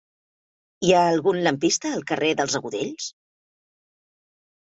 Hi ha algun lampista al carrer dels Agudells?